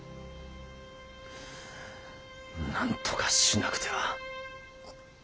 なんとかしなくては。